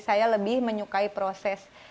saya lebih menyukai proses